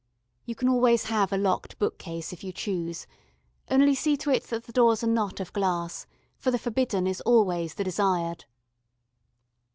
You can always have a locked book case if you choose: only see to it that the doors are not of glass, for the forbidden is always the desired.